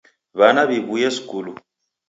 W'ana w'iw'uye skulu!